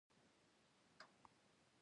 موټر اسانه ده